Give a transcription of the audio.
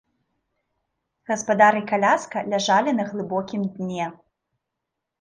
Гаспадар і каляска ляжалі на глыбокім дне.